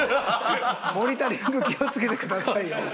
モニタリング気を付けてくださいよ。